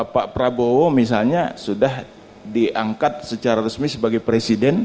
pak prabowo misalnya sudah diangkat secara resmi sebagai presiden